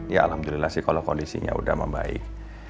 ya alhamdulillah sih kalau kondisinya sudah membaik